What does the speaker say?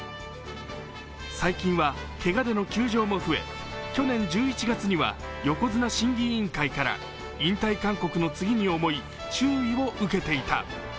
最近はけがでの休場も増え去年１１月には横綱審議委員会から引退勧告の次に重い「注意」を受けていた。